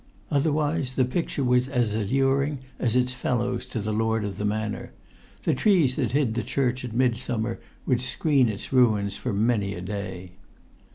Otherwise the picture was as alluring as its fellows to the lord of the manor. The trees that hid the church at midsummer would screen its ruins for many a day.